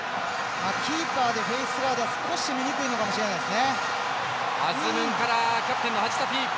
キーパーでフェースガードは少し見にくいのかもしれないです。